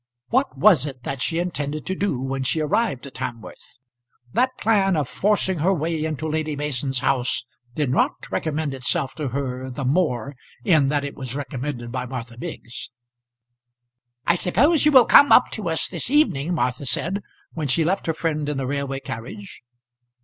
What was it that she intended to do when she arrived at Hamworth? That plan of forcing her way into Lady Mason's house did not recommend itself to her the more in that it was recommended by Martha Biggs. "I suppose you will come up to us this evening?" Martha said, when she left her friend in the railway carriage.